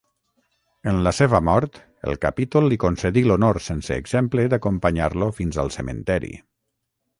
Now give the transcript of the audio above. En la seva mort, el capítol li concedí l'honor sense exemple d'acompanyar-lo fins al cementiri.